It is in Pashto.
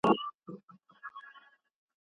که ته غواړې ښه مقاله ولیکې نو مطالعه وکړه.